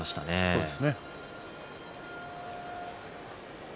そうですね。